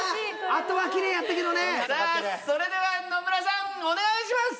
あとはきれいやったけどねさあそれでは野村さんお願いします